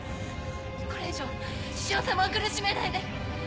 これ以上志々雄様を苦しめないで！